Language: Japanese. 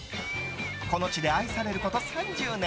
この地で愛されること３０年。